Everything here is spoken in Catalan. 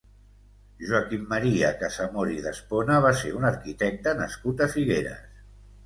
Joaquim Maria Casamor i d'Espona va ser un arquitecte nascut a Figueres.